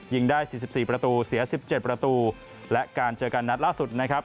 ยิงได้๔๔ประตูเสีย๑๗ประตูและการเจอกันนัดล่าสุดนะครับ